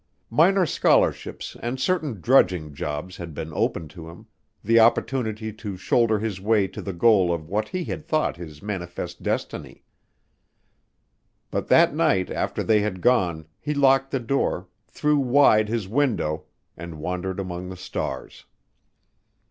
Minor scholarships and certain drudging jobs had been open to him, the opportunity to shoulder his way to the goal of what he had thought his manifest destiny. But that night after they had gone he locked the door, threw wide his window, and wandered among the stars.